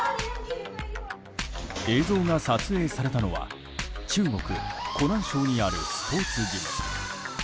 映像が撮影されたのは中国・湖南省にあるスポーツジム。